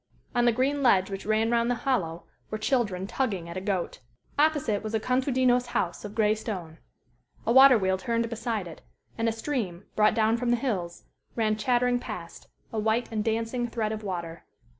On the green ledge which ran round the hollow were children tugging at a goat. Opposite was a contadino's house of gray stone. A water wheel turned beside it, and a stream, brought down from the hills, ran chattering past, a white and dancing thread of water.